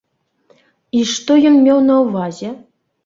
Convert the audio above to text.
І што ён меў на ўвазе?